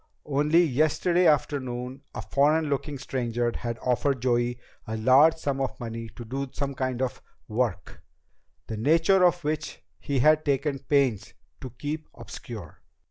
Only yesterday afternoon a foreign looking stranger had offered Joey a large sum of money to do some kind of "work," the nature of which he had taken pains to keep obscure!